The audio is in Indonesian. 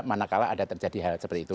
manakala ada terjadi hal seperti itu